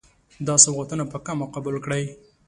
دا سوغاتونه په کمه قبول کړئ.